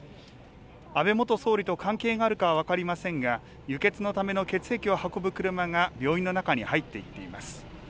安倍元総理と関係があるかは分かりませんが、輸血のための血液を運ぶ車が、病院の中に入っていっています。